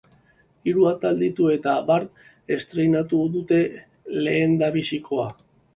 Hiru atal ditu eta bart estreinatu dute lehendabizikoa.